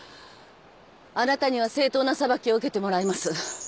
あなたには正当な裁きを受けてもらいます。